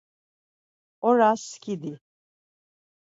Oras skidi.